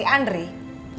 ibu sama bapak becengek